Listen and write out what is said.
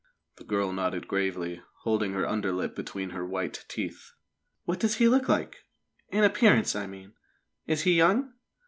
The girl nodded gravely, holding her underlip between her white teeth. "What does he look like in appearance, I mean? Is he young?"